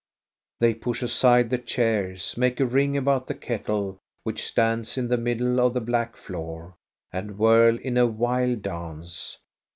They push aside the chairs, make a ring about the kettle, which stands in the middle of the black floor, and whirl in a wild dance.